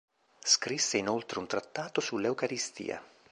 Scrisse inoltre un trattato sull'Eucaristia.